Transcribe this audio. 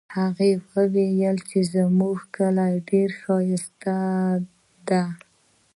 هغه وایي چې زموږ کلی ډېر ښایسته ده